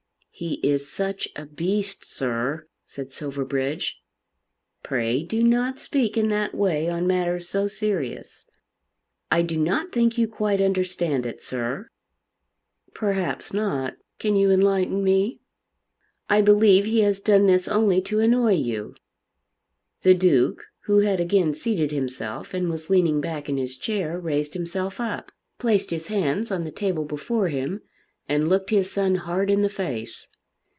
"He is such a beast, sir," said Silverbridge. "Pray do not speak in that way on matters so serious." "I do not think you quite understand it, sir." "Perhaps not. Can you enlighten me?" "I believe he has done this only to annoy you." The Duke, who had again seated himself, and was leaning back in his chair, raised himself up, placed his hands on the table before him, and looked his son hard in the face.